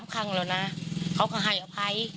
ครั้งแล้วนะเขาก็ให้อภัย